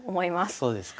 そうですか。